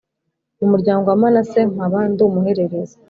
mu muryango wa Manase nkaba ndi umuhererezi.